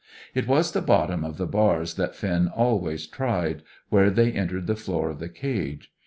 It was the bottom of the bars that Finn always tried, where they entered the floor of the cage.